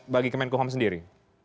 bagi kemen kuham sendiri